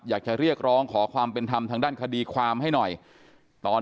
อยากจะเรียกร้องขอความเป็นธรรมทางด้านคดีความให้หน่อยตอน